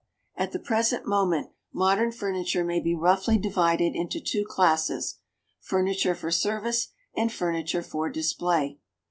At the present moment modern furniture may be roughly divided into two classes: furniture for service, and furniture for display.